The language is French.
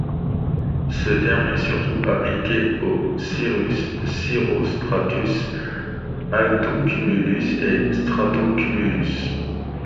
Ce terme est surtout appliqués aux cirrus, cirrostratus, altocumulus et stratocumulus.